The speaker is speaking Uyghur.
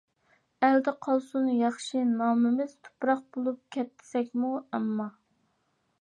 ئەلدە قالسۇن ياخشى نامىمىز، تۇپراق بولۇپ كەتسەكمۇ ئەمما.